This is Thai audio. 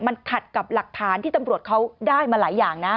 มันขัดกับหลักฐานที่ตำรวจเขาได้มาหลายอย่างนะ